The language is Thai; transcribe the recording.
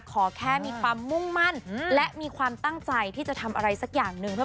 ขอแค่มีความมุ่งมั่นและมีความตั้งใจที่จะทำอะไรสักอย่างหนึ่ง